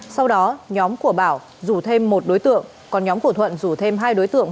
sau đó nhóm của bảo rủ thêm một đối tượng còn nhóm của thuận rủ thêm hai đối tượng